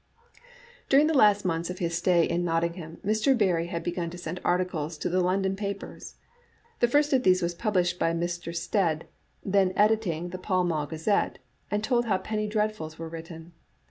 During the last months of his stay in Nottingham Mr. Barrie had begun to send articles to the London papers. The first of these was published by Mr. Stead, then editing the JPall Mall Gazette^ and told how penny dreadfuls were written.